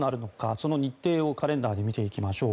その日程をカレンダーで見ていきましょう。